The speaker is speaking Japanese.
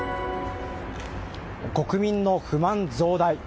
国民の不満増大？